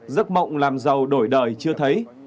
giấc mộng làm giàu đổi đời chưa thấy